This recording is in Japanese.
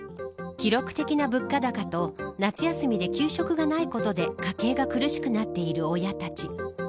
記録的な物価高と夏休みで給食がないことで家計が苦しくなっている親たち。